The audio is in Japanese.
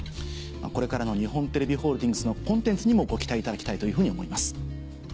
これからの日本テレビホールディングスのコンテンツにもご期待いただきたいというふうに思います。